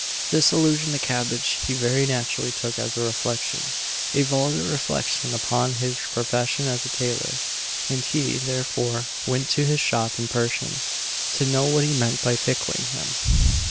This allusion to cabbage he very naturally took as a reflection a vulgar reflection upon his profession as a tailor, and he, therefore, went to his shop in person, to know what he meant by pickling him.